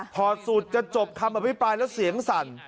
พอสูตรจะจบคำอภิปรายแล้วเสียงสั่น